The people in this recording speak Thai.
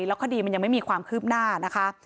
แล้วคดีมันยังไม่มีความคืบหน้านะคะ